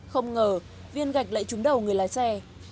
không ngờ viên gạch lại trúng đầu người lái xe